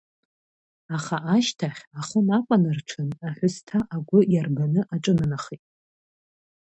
Аха ашьҭахь, ахы накәанарҽын, аҳәысҭа агәы иарбаны аҿынанахеит.